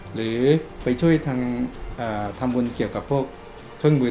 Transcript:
หรือไปช่วยทางทำบุญเกี่ยวกับพวกเครื่องมือ